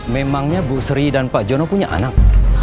memangnya bu sri dan pak jono punya anak